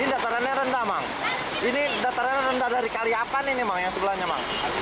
ini datarannya rendah mang ini datarnya rendah dari kali apa nih memang yang sebelahnya